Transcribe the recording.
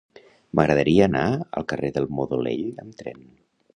M'agradaria anar al carrer de Modolell amb tren.